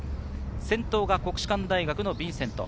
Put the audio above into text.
先頭は国士舘大学・ヴィンセント。